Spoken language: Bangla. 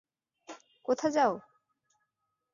কোথা যাও?